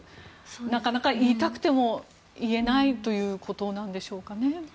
なかなか言いたくても言えないということなんでしょうかね。